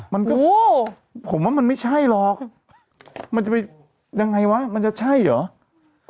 มันก็ผมว่ามันไม่ใช่หรอกมันจะไปยังไงวะมันจะใช่เหรอ